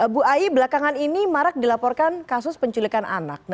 bu ai belakangan ini marak dilaporkan kasus penculikan anak